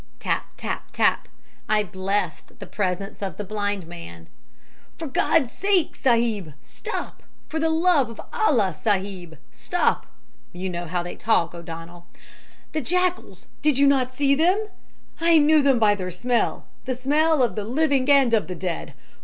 "Tap! tap! tap! I blessed the presence of the blind man. "'For God's sake, sahib, stop! For the love of Allah, sahib, stop!' (You know how they talk, O'Donnell.) 'The jackals, did you see them? I knew them by their smell, the smell of the living and of the dead.